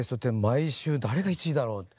毎週誰が１位だろう。